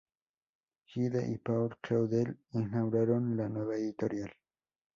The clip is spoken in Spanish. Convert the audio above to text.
Gide y Paul Claudel inauguraron la nueva editorial.